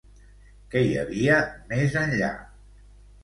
Què hi havia més enllà?